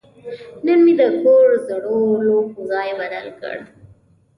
نن مې د کور زړو لوښو ځای بدل کړ.